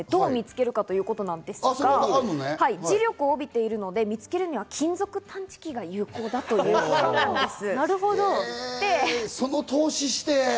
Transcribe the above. どう見つけるかというと、磁力帯びているので見つけるには金属探知機が有効とのことなんです。